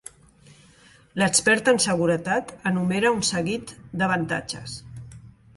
L'expert en seguretat enumera un seguit d'avantatges.